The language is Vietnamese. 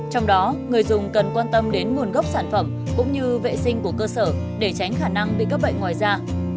trong đó người dùng cần quan tâm đến nguồn gốc sản phẩm cũng như vệ sinh của cơ sở để tránh khả năng bị các bệnh ngoài da